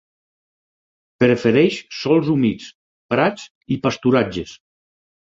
Prefereix sòls humits, prats i pasturatges.